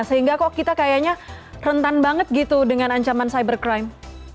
sehingga kok kita kayaknya rentan banget gitu dengan ancaman cybercrime